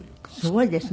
すごいですね。